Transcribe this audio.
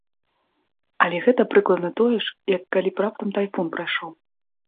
Але гэта прыкладна тое ж, як калі б раптам тайфун прайшоў.